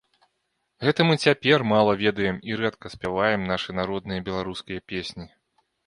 Гэта мы цяпер мала ведаем і рэдка спяваем нашы народныя беларускія песні.